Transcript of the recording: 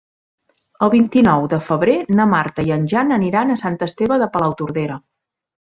El vint-i-nou de febrer na Marta i en Jan aniran a Sant Esteve de Palautordera.